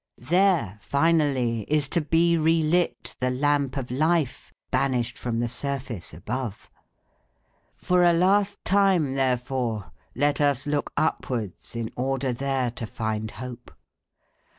There, finally, is to be relit the lamp of life, banished from the surface above. For a last time, therefore, let us look upwards in order there to find hope.